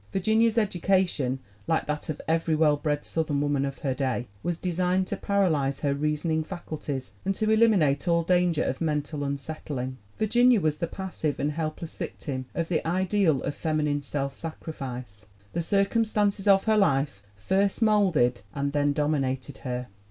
Virginia's education, like that of every well bred Southern woman of her day, was de signed to paralyze her reasoning faculties and to elim inate all danger of mental unsettling. Virginia was the passive and helpless victim of the ideal of feminine self sacrifice. The circumstances of her life first molded and then dominated her.